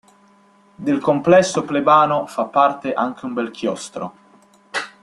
Del complesso plebano fa parte anche un bel chiostro.